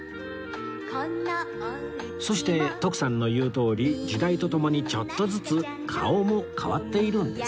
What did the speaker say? そして徳さんの言うとおり時代とともにちょっとずつ顔も変わっているんです